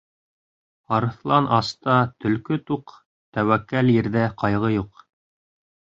Арыҫлан аста төлкө туҡ, тәүәккәл ирҙә ҡайғы юҡ.